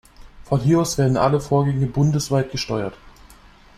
Von hier aus werden alle Vorgänge bundesweit gesteuert.